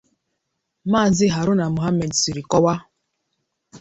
Maazị Haruna Mohammed siri kọwaa